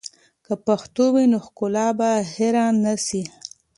که پښتو وي، نو ښکلا به هېر نه سي.